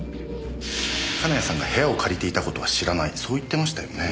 金谷さんが部屋を借りていた事は知らないそう言ってましたよね？